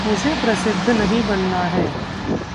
मुझे प्रसिद्ध नहीं बनना है।